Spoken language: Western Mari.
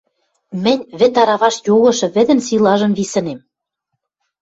— Мӹнь вӹд араваш йогышы вӹдӹн силажым висӹнем.